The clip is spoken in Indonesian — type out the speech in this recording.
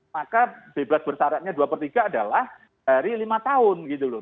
maka bebas bersaratnya dua per tiga adalah dari lima tahun gitu loh